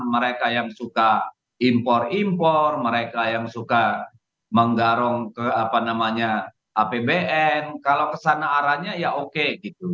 mereka yang suka impor impor mereka yang suka menggarong ke apa namanya apbn kalau kesana arahnya ya oke gitu